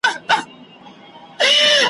هري خواته وه آسونه ځغلېدله `